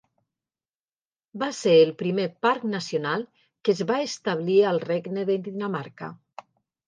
Va ser el primer parc nacional que es va establir al Regne de Dinamarca.